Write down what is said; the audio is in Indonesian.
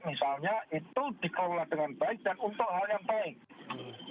misalnya itu dikelola dengan baik dan untuk hal yang baik